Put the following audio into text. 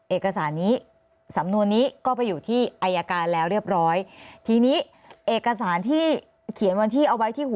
เอกสารนี้สำนวนนี้ก็ไปอยู่ที่อายการแล้วเรียบร้อยทีนี้เอกสารที่เขียนวันที่เอาไว้ที่หัว